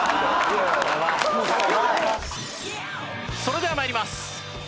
それでは参ります。